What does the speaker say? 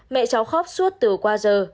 mẹ cháu khóc suốt từ qua giờ